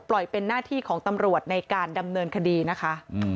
เป็นหน้าที่ของตำรวจในการดำเนินคดีนะคะ